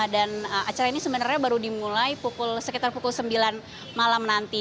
dan acara ini sebenarnya baru dimulai sekitar pukul sembilan malam nanti